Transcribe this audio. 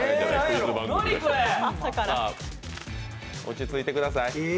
落ち着いてください。